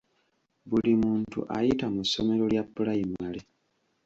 Buli muntu ayita mu ssomero lya pulayimale.